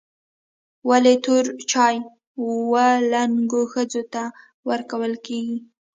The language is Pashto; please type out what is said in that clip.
ولي توري چای و لنګو ښځو ته ورکول کیږي؟